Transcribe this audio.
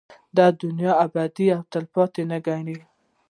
دا دنيا ابدي او تلپاتې نه گڼي